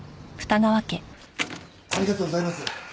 ありがとうございます。